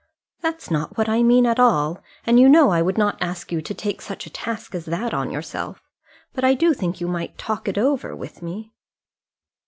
"That's not what I mean at all, and you know I would not ask you to take such a task as that on yourself. But I do think you might talk it over with me."